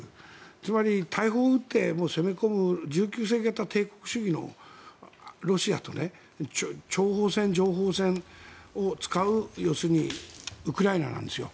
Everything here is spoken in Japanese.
つまり大砲を撃って攻め込む１９世紀型帝国主義のロシアと諜報戦、情報戦を使う要するにウクライナなんですよ。